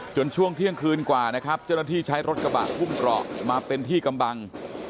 ช่วงเที่ยงคืนกว่านะครับเจ้าหน้าที่ใช้รถกระบะพุ่มเกราะมาเป็นที่กำบัง